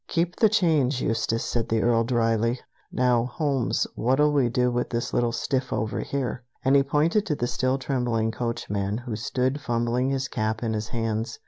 "Keep the change, Eustace," said the Earl dryly. "Now, Holmes, what'll we do with this little stiff over here?" And he pointed to the still trembling coachman, who stood fumbling his cap in his hands.